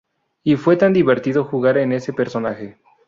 Y fue tan divertido jugar en ese personaje.